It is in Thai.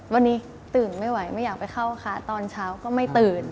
วันนี้ตื่นไม่ไหวไม่อยากไปเข้าค่ะตอนเช้าก็ไม่ตื่น